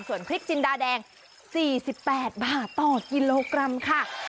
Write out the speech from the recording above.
ส่วนพริกจินดาแดง๔๘บาทต่อกิโลกรัมค่ะ